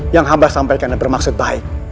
yang hamba sampaikan dan bermaksud baik